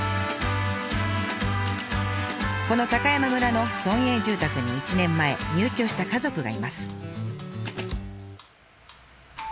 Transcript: この高山村の村営住宅に１年前入居した家族がいます。